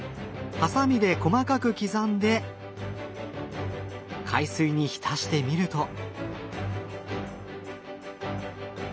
ハサミで細かく刻んで海水に浸してみると。